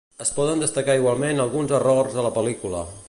Es poden destacar igualment alguns errors a la pel·lícula.